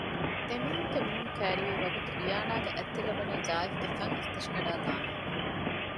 ދެމީހުންގެ މޫނު ކައިރިވީވަގުތު ރިޔާނާގެ އަތްތިލަވަނީ ޒާއިފްގެ ފަންއިސްތަށިގަނޑާއި ލާމެހިފަ